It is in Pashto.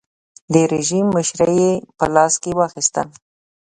د رژیم مشري یې په لاس کې واخیسته.